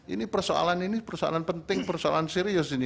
ini persoalan ini persoalan penting persoalan serius ini